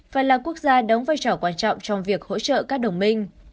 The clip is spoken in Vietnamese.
và là quốc gia đóng vai trò quan trọng trong việc hỗ trợ các đồng minh